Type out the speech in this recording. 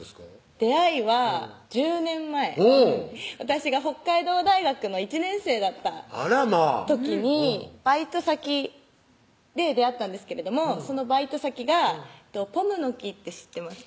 出会いは１０年前私が北海道大学の１年生だった時にバイト先で出会ったんですけれどもそのバイト先がポムの樹って知ってますか？